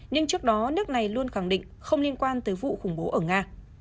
nhưng trước đó nước này luôn khẳng định không liên quan tới vụ khủng bố ở nga